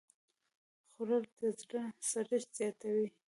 خوړل د زړه سړښت زیاتوي